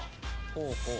ほうほう。